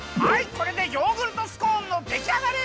これでヨーグルトスコーンのできあがり！